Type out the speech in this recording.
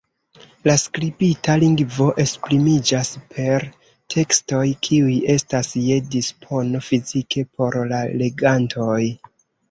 La skribita lingvo esprimiĝas per tekstoj kiuj estas je dispono fizike por la legantoj.